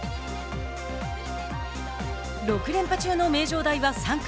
６連覇中の名城大は３区。